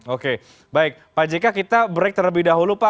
oke baik pak jk kita break terlebih dahulu pak